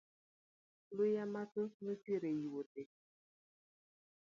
Luya mathoth nochwer e yuothe.